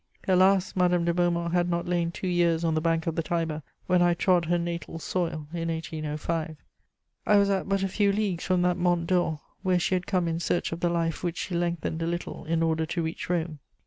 Alas, Madame de Beaumont had not lain two years on the bank of the Tiber when I trod her natal soil in 1805; I was at but a few leagues from that Mont Dore where she had come in search of the life which she lengthened a little in order to reach Rome.